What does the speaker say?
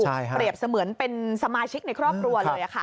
เปรียบเสมือนเป็นสมาชิกในครอบครัวเลยค่ะ